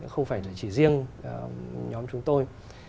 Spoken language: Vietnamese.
không phải chỉ riêng nhóm chúng tôi